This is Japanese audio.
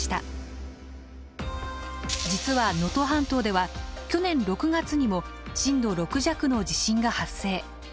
実は能登半島では去年６月にも震度６弱の地震が発生。